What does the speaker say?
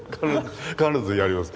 必ずやります。